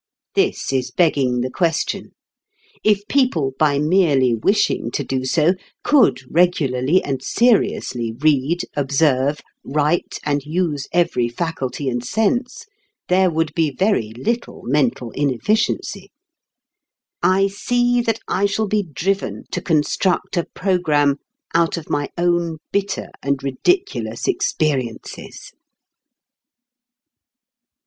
This is begging the question. If people, by merely wishing to do so, could regularly and seriously read, observe, write, and use every faculty and sense, there would be very little mental inefficiency. I see that I shall be driven to construct a programme out of my own bitter and ridiculous experiences.